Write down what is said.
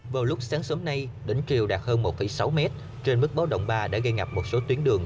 vào lúc sáng sớm nay đỉnh triều đạt hơn một sáu m trên mức báo động ba đã gây ngập một số tuyến đường